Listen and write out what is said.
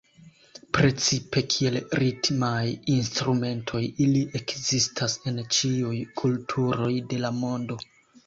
Precipe kiel ritmaj instrumentoj ili ekzistas en ĉiuj kulturoj de la mondo.